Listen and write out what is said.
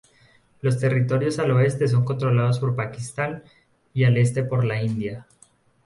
Los territorios al oeste son controlados por Pakistán, y al este por la India.